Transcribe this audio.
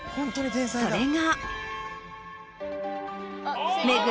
それが。